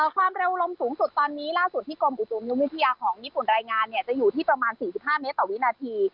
ความเร็วลมสูงสุดตอนนี้ล่าสุดที่กรมอุตุนิยมวิทยาของญี่ปุ่นรายงานจะอยู่ที่ประมาณ๔๕เมตรต่อวินาที